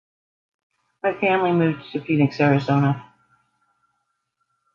The family moved to Phoenix, Arizona.